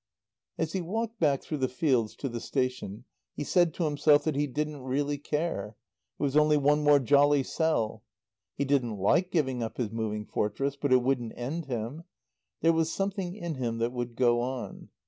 As he walked back through the fields to the station, he said to himself that he didn't really care. It was only one more jolly sell. He didn't like giving up his Moving Fortress; but it wouldn't end him. There was something in him that would go on.